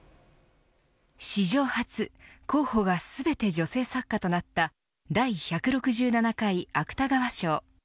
史上初、候補が全て女性作家となった第１６７回芥川賞。